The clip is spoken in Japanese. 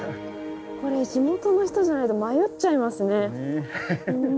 これ地元の人じゃないと迷っちゃいますね。